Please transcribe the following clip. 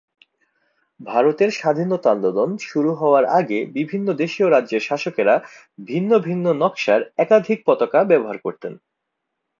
ভারতের স্বাধীনতা আন্দোলন শুরু হওয়ার আগে বিভিন্ন দেশীয় রাজ্যের শাসকেরা ভিন্ন ভিন্ন নকশার একাধিক পতাকা ব্যবহার করতেন।